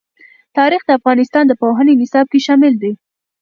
تاریخ د افغانستان د پوهنې نصاب کې شامل دي.